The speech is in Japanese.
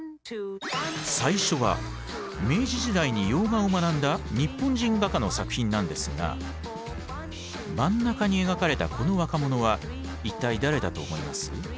最初は明治時代に洋画を学んだ日本人画家の作品なんですが真ん中に描かれたこの若者は一体誰だと思います？